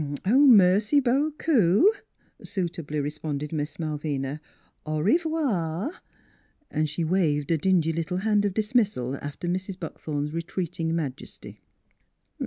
''" Mercy bo coo !" suitably responded Miss Malvina. "Ory vwaw!" And she waved a dingy little hand of dismissal after Mrs. Buck thorn's retreating majesty.